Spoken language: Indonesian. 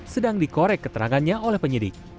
sedang dikorek keterangannya oleh penyidik